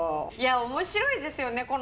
いや面白いですよね